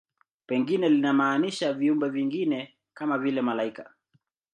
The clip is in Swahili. Pengine linamaanisha viumbe vingine, kama vile malaika.